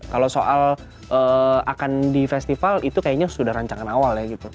kalau soal akan di festival itu kayaknya sudah rancangan awal ya gitu